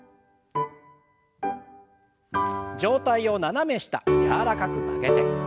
上体を斜め下柔らかく曲げて。